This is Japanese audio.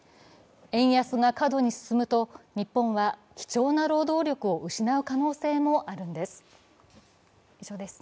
円安が過度に進むと日本は貴重な労働力を失う可能性もあるのです。